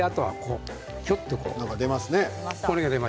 なんか出ますね。